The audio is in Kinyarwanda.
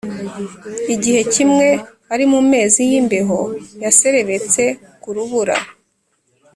igihe kimwe ari mu mezi y imbeho yaserebetse ku rubura